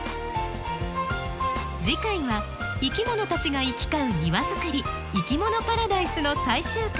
次回はいきものたちが行き交う庭づくり「いきものパラダイス」の最終回。